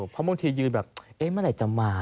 เพราะบางทียืนแบบเอ๊ะเมื่อไหร่จะมา